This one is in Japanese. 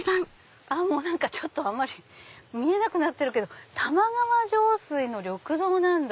あんまり見えなくなってるけど玉川上水の緑道なんだ。